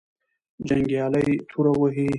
جنګیالي توره وهې.